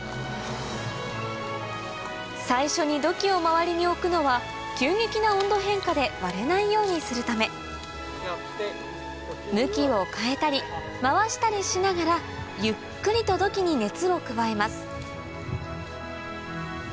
最初に土器を周りに置くのは急激な温度変化で割れないようにするため向きを変えたり回したりしながらゆっくりと土器に熱を加えます